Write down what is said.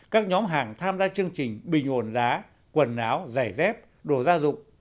các nhóm hàng tham gia chương trình bình ổn giá quần áo giày dép đồ gia dụng